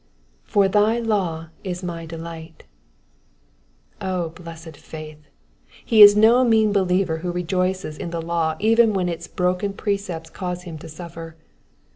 ^^For thy law is my delight, ''^ O blessed faith I He is no mean believer who rejoices in the law even when its broken precepts cause him to suffer.